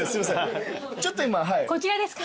こちらですか？